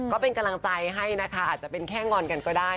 ก็เป็นกำลังใจให้นะคะอาจจะเป็นแค่งอนกันก็ได้